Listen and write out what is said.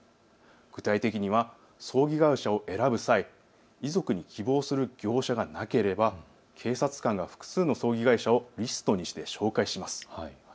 具体的には葬儀会社を選ぶ際、遺族に希望する業者がなければ警察官が複数の葬儀会社をリストにして紹介します。